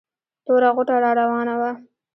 توره غوټه را راوانه وه.